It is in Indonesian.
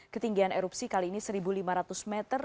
ketinggian erupsi kali ini satu lima ratus meter